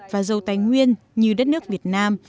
và giàu tài nguyên như đất nước việt nam